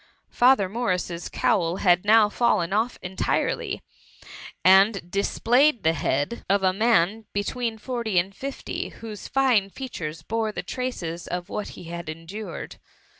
Father Morrises cowl had now fidlen aS entirely, and displayed the bead of a man between forty and fifty, whose fine features boire the traces of what he had endured.